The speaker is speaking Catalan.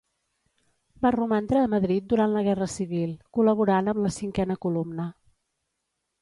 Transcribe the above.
Va romandre a Madrid durant la Guerra Civil, col·laborant amb la cinquena columna.